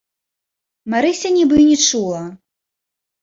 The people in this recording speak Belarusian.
Марыся нібы і не чула.